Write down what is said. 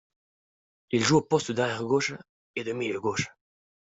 Il joue au poste d'arrière gauche et de milieu gauche.